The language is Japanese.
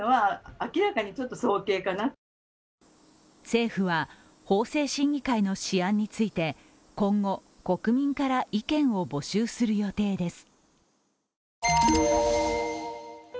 政府は法制審議会の試案について今後、国民から意見を募集する予定です。